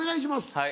はい